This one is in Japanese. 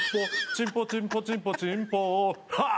「チンポチンポチンポチンポーハッ！」